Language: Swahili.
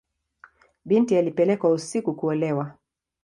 Binti alipelekwa usiku kuolewa.